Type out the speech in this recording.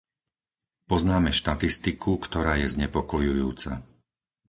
Poznáme štatistiku, ktorá je znepokojujúca.